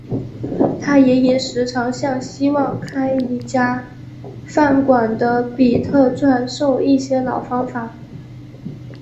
他爷爷时常向希望开一家饭馆的比特传授一些老方法。